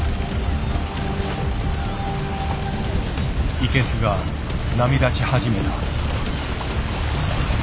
イケスが波立ち始めた。